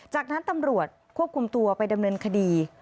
จากนั้นตำรวจควบคุมตัวไปดำเนินคดี